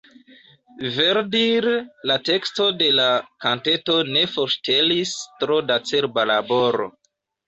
Verdire la teksto de la kanteto ne forŝtelis tro da cerba laboro.